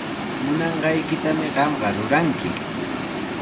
Munanqaykitami qamqa ruranki.